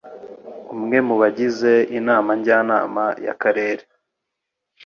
umwe mu bagize Inama Njyanama y'Akarere